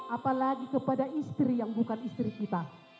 apalagi kepada istri yang bukan istri kita